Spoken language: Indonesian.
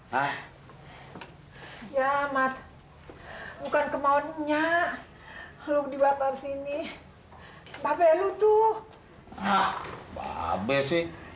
ya ahmad bukan kemauannya lu dibatasi nih babelu tuh ah abis